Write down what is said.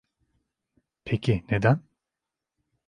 Peki neden?